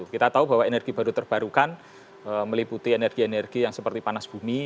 kita tahu bahwa energi baru terbarukan meliputi energi energi yang seperti panas bumi